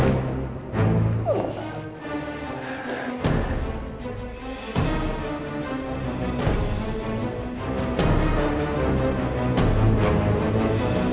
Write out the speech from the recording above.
eh kak fani